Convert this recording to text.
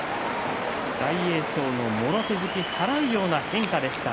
大栄翔のもろ手突きを払うような変化でした。